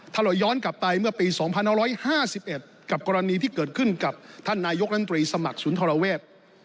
ถล่อยย้อนกลับไปเมื่อปีสองพันห้าร้อยห้าสิบเอ็ดกับกรณีที่เกิดขึ้นกับท่านนายกรันตรีสมัครศุนย์ธราเวทย์